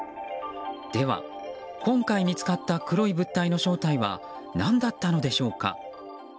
では今回見つかった黒い物体の正体は何だったのでしょうか。